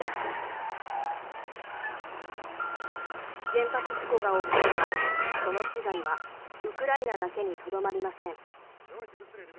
原発事故が起きればその被害はウクライナだけにとどまりません。